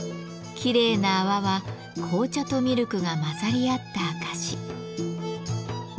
きれいな泡は紅茶とミルクが混ざり合った証し。